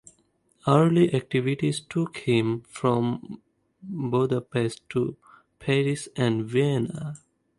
Early activities took him from Budapest to Paris and Vienna.